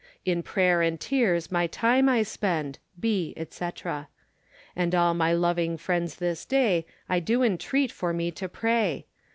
In prayer and tears my time I spend: Be, &c. And all my loving friends this day I do intreate for me to pray.